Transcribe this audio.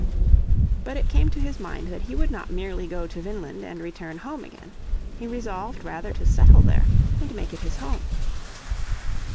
But it came to his mind that he would not merely go to Vineland and return home again. He resolved rather to settle there and make it his home.